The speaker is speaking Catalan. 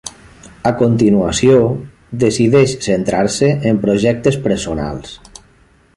A continuació, decideix centrar-se en projectes personals.